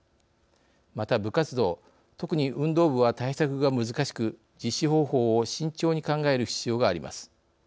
また、部活動特に運動部は対策が難しく実施方法を慎重に考える必要があります。